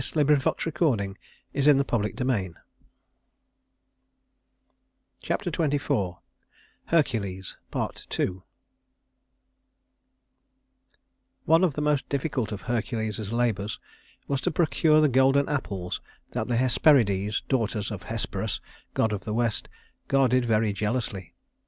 [Illustration: Hercules and the Centaur] Chapter XXIV Hercules Part II One of the most difficult of Hercules's labors was to procure the golden apples that the Hesperides, daughters of Hesperus, god of the west, guarded very jealously.